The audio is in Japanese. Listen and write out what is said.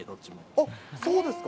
あっ、そうですか。